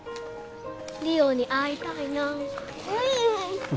梨央に会いたいな